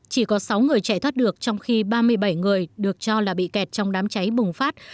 chỉ có sáu người chạy thoát được trong khi ba mươi bảy người được cho là bị kẹt trong đám cháy bùng phát